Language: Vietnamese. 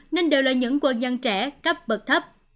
nên đều là những quân nhân trẻ cấp bậc thấp